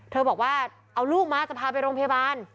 บอกว่าเอาลูกมาจะพาไปโรงพยาบาล